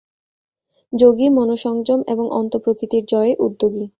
যোগী মনঃসংযম এবং অন্তঃপ্রকৃতির জয়ে উদ্যোগী।